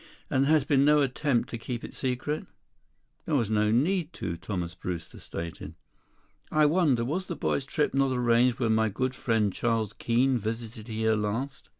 "And there has been no attempt to keep it secret?" "There was no need to," Thomas Brewster stated. "I wonder. Was the boy's trip not arranged when my good friend Charles Keene visited here last?"